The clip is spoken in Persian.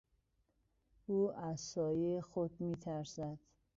او از سایهٔ خود میترسد.